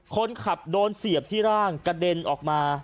คนขับโดนเสียบที่ร่างกระเด็นออกมา